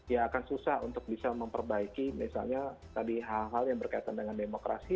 ya akan susah untuk bisa memperbaiki misalnya tadi hal hal yang berkaitan dengan demokrasi